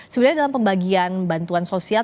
sebenarnya dalam pembagian bantuan sosial